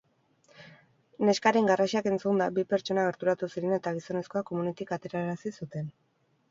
Neskaren garrasiak entzunda, bi pertsona gerturatu ziren eta gizonezkoa komunetik aterarazi zuten.